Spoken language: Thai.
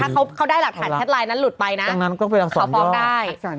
ถ้าเขาได้หลักฐานแชทไลน์นั้นหลุดไปนะเขาฟ้องได้